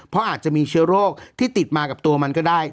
เพราะอาจจะมีเชื้อโรคที่ติดมากับตัวมันก็ได้